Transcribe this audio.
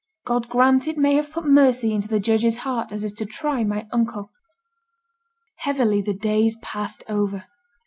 God grant it may have put mercy into the judge's heart as is to try my uncle.' Heavily the days passed over.